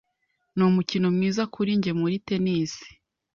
Ni umukino mwiza kuri njye muri tennis.